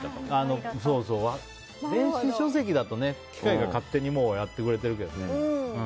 電子書籍だと機械が勝手にやってくれてるけどね。